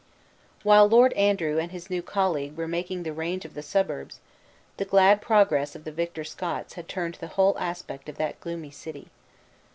While Lord Andrew and his new colleague were making the range of the suburbs, the glad progress of the victor Scots had turned the whole aspect of that gloomy city.